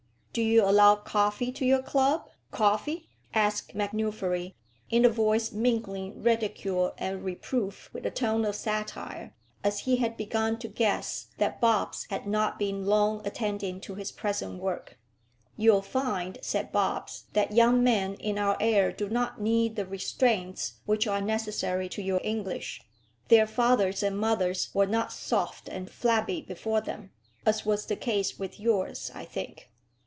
"Do you allow coffee to your club; coffee?" asked MacNuffery, in a voice mingling ridicule and reproof with a touch of satire, as he had begun to guess that Bobbs had not been long attending to his present work. "You'll find," said Bobbs, "that young men in our air do not need the restraints which are necessary to you English. Their fathers and mothers were not soft and flabby before them, as was the case with yours, I think."